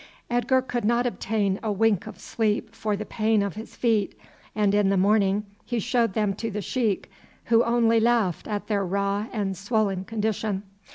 Edgar could not obtain a wink of sleep for the pain of his feet, and in the morning he showed them to the sheik, who only laughed at their raw and swollen condition.